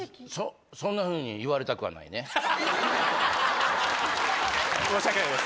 そんなふうに言われたくはな申し訳ないです。